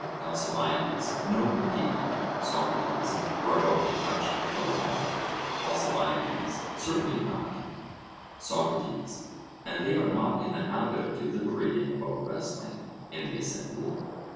ALCIBIADES: No, indeed. SOCRATES: Or about the touch of the lyre? ALCIBIADES: Certainly not. SOCRATES: And they are not in the habit of deliberating about wrestling, in the assembly?